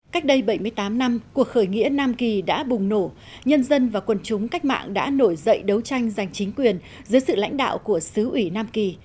cách đây bảy mươi tám năm cuộc khởi nghĩa nam kỳ đã bùng nổ nhân dân và quần chúng cách mạng đã nổi dậy đấu tranh giành chính quyền dưới sự lãnh đạo của sứ ủy nam kỳ